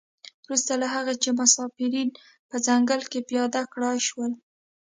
وروسته له هغه چې مسافرین په ځنګله کې پیاده کړای شول.